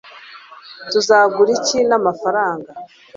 tuzagura iki n'amafaranga